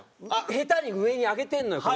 下手に上に上げてるのよ